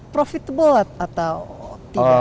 profitable atau tidak